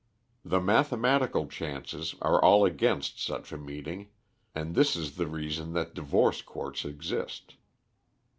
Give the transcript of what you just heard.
The mathematical chances are all against such a meeting, and this is the reason that divorce courts exist.